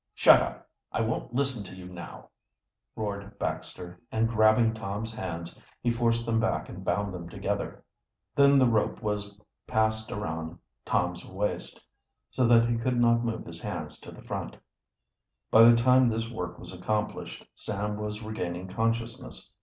"Shut up! I won't listen to you, now!" roared Baxter, and grabbing Tom's hands he forced them back and bound them together. Then the ropes was passed around Tom's waist, so that he could not move his hands to the front. By the time this work was accomplished Sam was regaining consciousness.